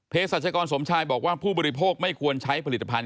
สัชกรสมชายบอกว่าผู้บริโภคไม่ควรใช้ผลิตภัณฑ